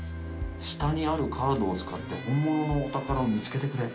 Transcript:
「下にあるカードを使って本物のお宝を見つけてくれ！」